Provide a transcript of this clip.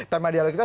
tema dialog kita